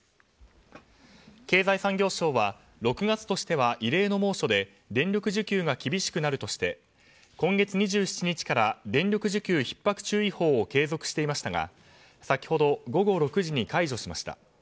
経済産業省は６月としては異例の猛暑で電力需給が厳しくなるとして今月２７日から電力需給ひっ迫注意報を継続していましたが、先ほど午後６時に解除しました。